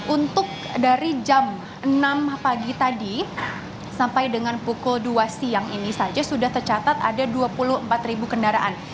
untuk dari jam enam pagi tadi sampai dengan pukul dua siang ini saja sudah tercatat ada dua puluh empat ribu kendaraan